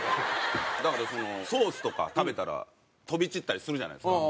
だからそのソースとか食べたら飛び散ったりするじゃないですか。